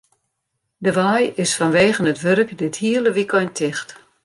De wei is fanwegen it wurk dit hiele wykein ticht.